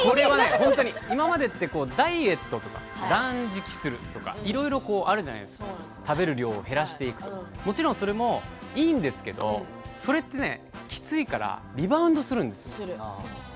今までってダイエットとか断食するとかいろいろあるじゃないですか食べる量を減らしていくもちろん、それもいいんですけれども、それってきついからリバウンドするんですよ。